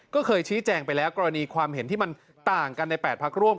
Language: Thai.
ก็เคยชี้แจงไปแล้วกรณีความเห็นที่มันต่างกันใน๘พักร่วม